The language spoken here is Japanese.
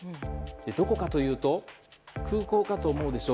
どこかというと空港かと思うでしょ。